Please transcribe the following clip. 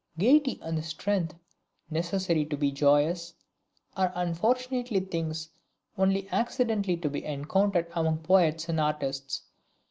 Gayety and the strength necessary to be joyous, are, unfortunately things only accidentally to be encountered among poets and artists!